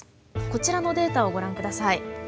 こちらのデータをご覧ください。